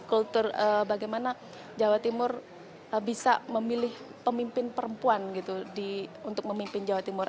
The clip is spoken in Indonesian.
kultur bagaimana jawa timur bisa memilih pemimpin perempuan gitu untuk memimpin jawa timur